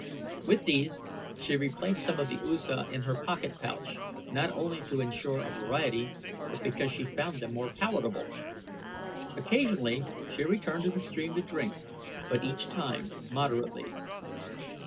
With these she replaced some of the usa in her pocket pouch, not only to insure a variety but because she found them more palatable. Occasionally she returned to the stream to drink, but each time moderately.